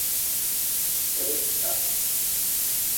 ރެކްޓަރ